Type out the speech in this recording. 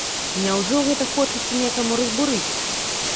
Няўжо гэта хочацца некаму разбурыць?